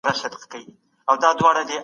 د ټولني تاریخ په غور سره ولولئ.